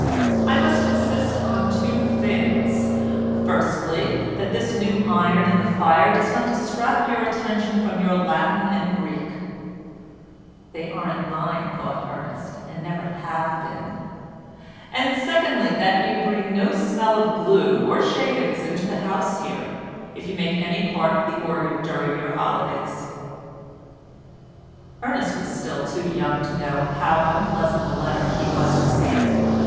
"I must insist on two things: firstly that this new iron in the fire does not distract your attention from your Latin and Greek"—("They aren't mine," thought Ernest, "and never have been")—"and secondly, that you bring no smell of glue or shavings into the house here, if you make any part of the organ during your holidays." Ernest was still too young to know how unpleasant a letter he was receiving.